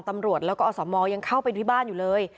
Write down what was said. ตำรวจแล้วก็อสมยังเข้าไปที่บ้านอยู่เลย